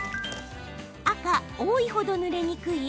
赤・多いほどぬれにくい？